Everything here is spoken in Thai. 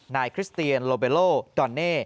คริสเตียนโลเบโลดอนเน่